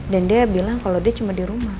dan dia bilang kalau dia cuma di rumah